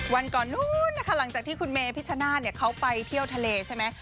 วันก่อนนู้นนะคะหลังจากที่คุณเมพิชชนาธิ์เขาไปเที่ยวทะเลใช่ไหม